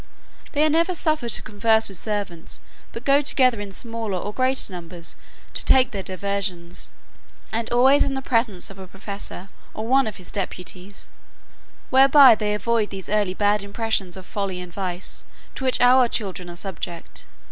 They are never suffered to converse with servants, but go together in smaller or greater numbers to take their diversions, and always in the presence of a professor, or one of his deputies; whereby they avoid those early bad impressions of folly and vice, to which our children are subject.